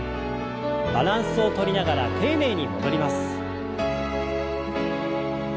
バランスをとりながら丁寧に戻ります。